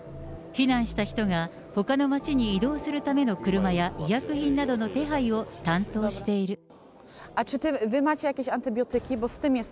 避難した人がほかの町に移動するための車や医薬品などの手配を担当している。